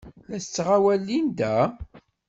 La tettɣawal Linda?